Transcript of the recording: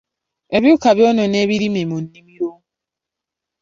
Ebiwuka byonoona ebirime mu nnimiro.